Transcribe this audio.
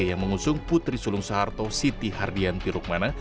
yang mengusung putri sulung soeharto siti hardian tirukmana